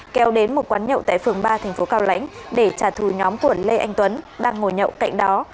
kéo đến một quán nhậu tại phường ba thành phố cao lãnh để trả thù nhóm của lê anh tuấn đang ngồi nhậu cạnh đó